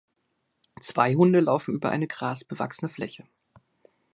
Zwei Hunde laufen über eine grasbewachsene Fläche.